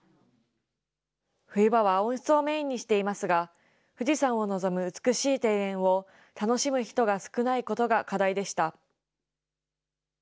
冬場は温室をメインにしていますが、富士山を望む美しい庭園を楽しむ人が少ないことが課題でした。